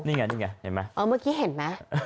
นี่ไงนี่ไงเห็นไหม